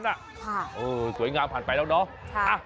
สวยงามผ่านไปแล้วเนาะ